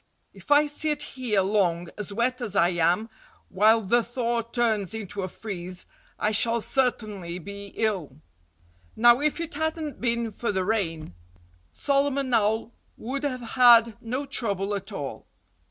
"If I sit here long, as wet as I am, while the thaw turns into a freeze, I shall certainly be ill." Now, if it hadn't been for the rain, Solomon Owl would have had no trouble at all.